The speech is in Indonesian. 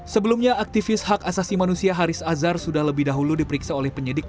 sebelumnya aktivis hak asasi manusia haris azhar sudah lebih dahulu diperiksa oleh penyidik